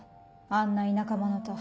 あんな田舎者と。